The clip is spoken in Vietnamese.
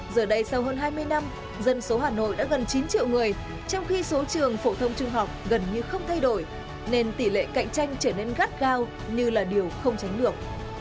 giờ đây sau hơn hai mươi năm dân số hà nội đã gần chín triệu người trong khi số trường phổ thông trung học gần như không thay đổi nên tỷ lệ cạnh tranh trở nên gắt gao như là điều không tránh được